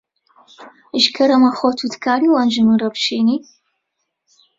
Ji kerema xwe tu dikarî wan ji min re bişînî.